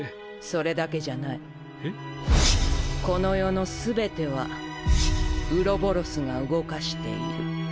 この世の全てはウロボロスが動かしている。